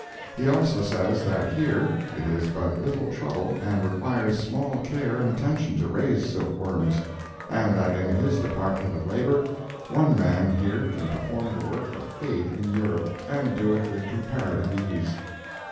He also says that here, it is but little trouble, and requires small care and attention to raise silk worms, and that in his department of labor, one man here can perform the work of eight in Europe, and do it with comparative ease.